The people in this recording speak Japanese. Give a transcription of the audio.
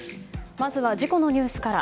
まずは事故のニュースから。